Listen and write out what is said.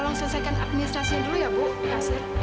tolong selesaikan administrasi dulu ya ibu pasir